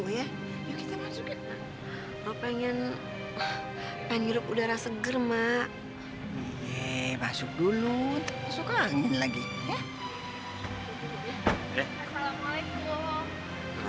ya kita masuknya pengen pengen hidup udara seger mak masuk dulu suka angin lagi ya